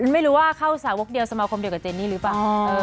ไม่รู้ว่าเข้าสาวกเดียวสมาคมเดียวกับเจนนี่หรือเปล่า